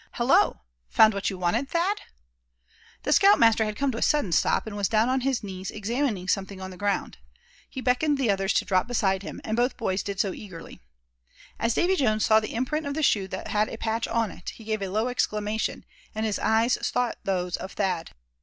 Hello! found what you wanted, Thad?" The scout master had come to a sudden stop, and was down on his knees, examining something on the ground. He beckoned the others to drop beside him, and both boys did so eagerly. As Davy Jones saw the imprint of the shoe that had a patch on it, he gave a low exclamation, and his eyes sought those of Thad.